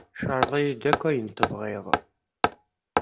Ceṛḍ-iyi-d akk ayen tebɣiḍ!